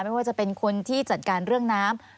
ไม่ว่าจะเป็นคนที่จัดการเรื่องน้ำ